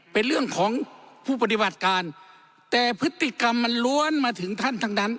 เป็นเรื่องของผู้ปฏิบัติการแต่พฤติกรรมมันล้วนมาถึงท่านทั้งนั้น